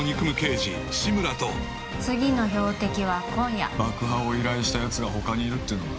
次の標的は今夜爆破を依頼したやつがほかにいるっていうのか？